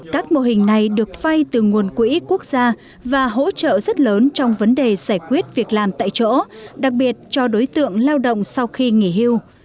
các mô hình này được phay từ nguồn quỹ quốc gia và hỗ trợ rất lớn trong vấn đề giải quyết việc làm tại chỗ đặc biệt cho đối tượng lao động sau khi nghỉ hưu